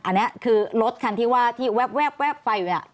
อันนี้คือรถที่แวบไฟอยู่เนี่ย